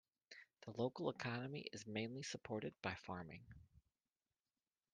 The local economy is mainly supported by farming.